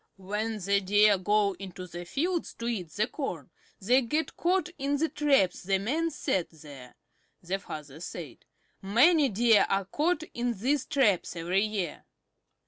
"When the Deer go into the fields to eat the corn they get caught in the traps the men set there," the father said. "Many Deer are caught in these traps every year."